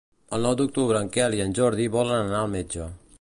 El nou d'octubre en Quel i en Jordi volen anar al metge.